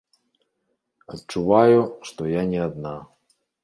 Адчуваю, што я не адна.